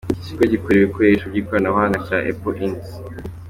Ikigo gikora ibikoresho by’ikoranabuhanga cya Apple Inc.